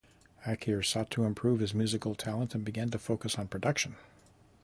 Akir sought to improve his musical talent and began to focus on production.